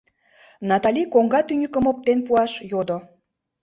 — Натали коҥга тӱньыкым оптен пуаш йодо.